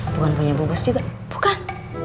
bukan punya bungkus juga bukan